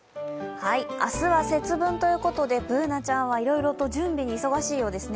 明日は節分ということでＢｏｏｎａちゃんはいろいろと準備に忙しいようですね。